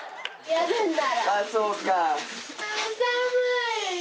ああそうか。